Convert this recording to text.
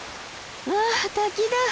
わあ滝だ。